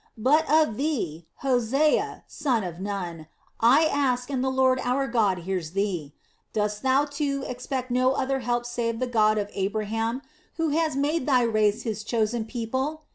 But of thee, Hosea, son of Nun, I ask and the Lord our God hears thee: Dost thou, too, expect no other help save from the God of Abraham, who has made thy race His chosen people?